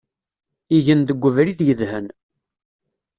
Igen deg ubrid yedhen.